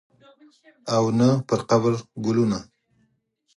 او نه پرقبر ګلونه